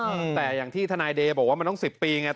อืมแต่อย่างที่ทนายเดย์บอกว่ามันต้องสิบปีไง